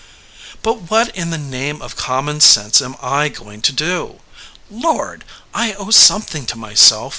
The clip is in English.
"But what in the name of common sense am I going to do? Lord! I owe something to myself.